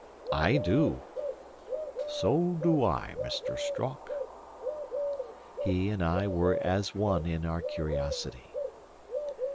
"I do." "So do I, Mr. Strock." He and I were as one in our curiosity.